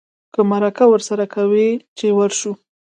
که مرکه ورسره کوې چې ورشو.